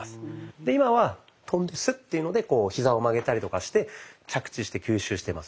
で今は跳んでスッていうのでひざを曲げたりとかして着地して吸収してます。